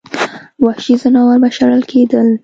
وحشي ځناور به شړل کېدل.